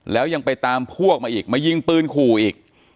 แล้วยังไปตามพวกมาอีกมายิงปืนขู่อีก